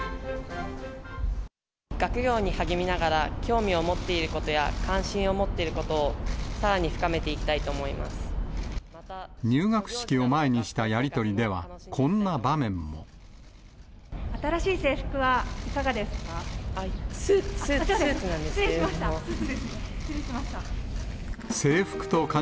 学業に励みながら、興味を持っていることや関心を持っていることをさらに深めていき入学式を前にしたやり取りでは、新しい制服はいかがですか？